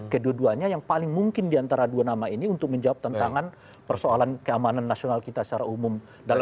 kedua duanya yang paling mungkin diantara dua nama ini untuk menjawab tantangan persoalan keamanan nasional kita secara umum